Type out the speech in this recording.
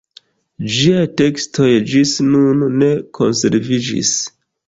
Ĝiaj tekstoj ĝis nun ne konserviĝis.